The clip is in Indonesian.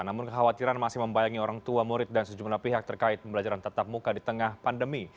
namun kekhawatiran masih membayangi orang tua murid dan sejumlah pihak terkait pembelajaran tetap muka di tengah pandemi